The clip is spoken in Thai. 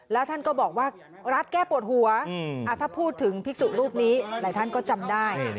แล้วท่านก็บอกว่ารัฐแก้ปวดหัวถ้าพูดถึงภิกษุรูปนี้หลายท่านก็จำได้